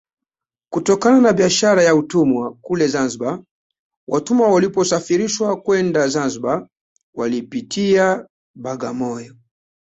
Kutokana na biashara ya utumwa kule Zanzibar watumwa waliposafirishwa kwenda Zanzibar walipitia Bagamoyo